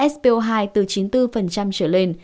spo hai từ chín mươi bốn trở lên